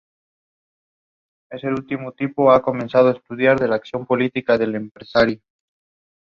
There were five segments on "Haunted History New York".